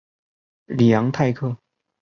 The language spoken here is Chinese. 里昂泰克。